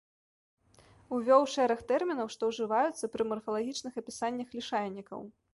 Увёў шэраг тэрмінаў, што ўжываюцца пры марфалагічных апісаннях лішайнікаў.